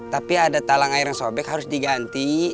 tapi ada talang air yang sobek harus diganti